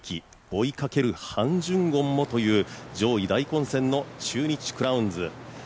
追いかけるハン・ジュンゴンもという上位大混戦の中日クラウンズ。